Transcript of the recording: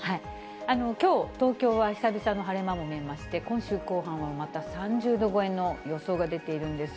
きょう、東京は久々の晴れ間も見えまして、今週後半はまた３０度超えの予想が出ているんです。